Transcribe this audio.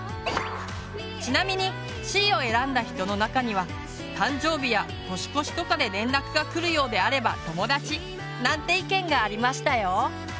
ちなみにＣを選んだ人の中には「誕生日や年越しとかで連絡がくるようであれば友達」なんて意見がありましたよ。